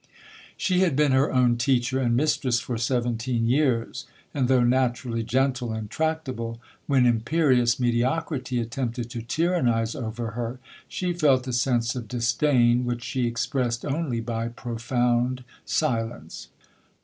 She had been her own teacher and mistress for seventeen years, and though naturally gentle and tractable, when imperious mediocrity attempted to tyrannize over her, she felt a sense of disdain which she expressed only by profound silence.